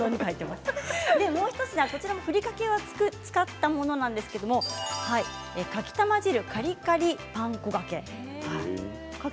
もう一品、こちらもふりかけを使ったものですがかきたま汁カリカリパン粉がけ。